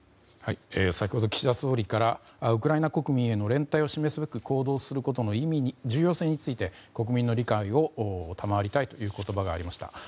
先ほど岸田総理からウクライナ国民への連帯を示すべく行動することの重要性について国民の理解を賜りたいという言葉がありました。